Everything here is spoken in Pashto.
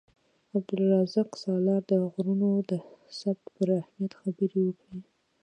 عبدالرزاق سالار د غږونو د ثبت پر اهمیت خبرې وکړې.